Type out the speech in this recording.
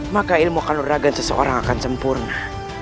maka ilmu kanoragan seseorang akan sempurna